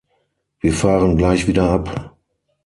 Wir fahren gleich wieder ab.